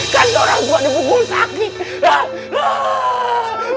kan orang gua dibungkul sakit